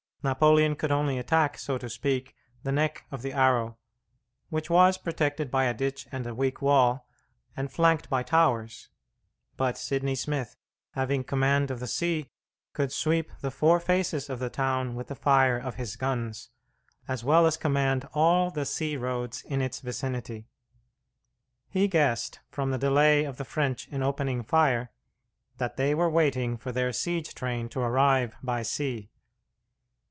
Napoleon could only attack, so to speak, the neck of the arrow, which was protected by a ditch and a weak wall, and flanked by towers; but Sidney Smith, having command of the sea, could sweep the four faces of the town with the fire of his guns, as well as command all the sea roads in its vicinity. He guessed, from the delay of the French in opening fire, that they were waiting for their siege train to arrive by sea.